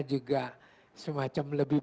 juga semacam lebih